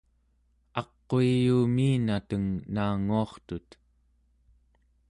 aquiyuumiinateng naanguartut